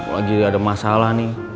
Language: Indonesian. lagi ada masalah nih